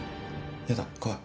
やだ怖い。